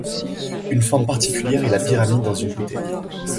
Une forme particulière est la pyramide dans une bouteille.